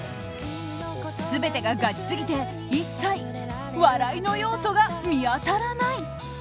全てがガチすぎて一切、笑いの要素が見当たらない。